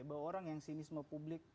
bahwa orang yang sinisme publik